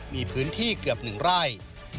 มีพื้นที่เกือบ๑ไร่